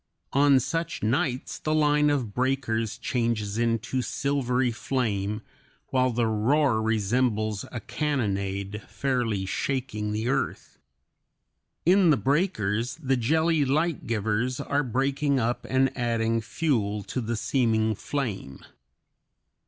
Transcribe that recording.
On such nights the line of breakers changes into silvery flame, while the roar resembles a cannonade, fairly shaking the earth. In the breakers the jelly light givers are breaking up and adding fuel to the seeming flame.